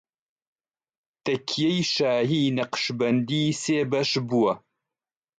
تەکیەی شاهی نەقشبەند سێ بەش بووە